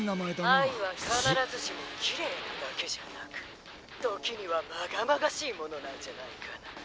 「あいはかならずしもきれいなだけじゃなくときにはまがまがしいものなんじゃないかな」。